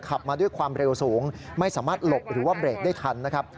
ขับมาด้วยความเร็วสูงไม่สามารถหลบหรือว่าเบรกได้ทันนะครับ